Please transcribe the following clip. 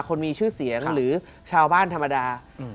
คนมีชื่อเสียงหรือชาวบ้านธรรมดา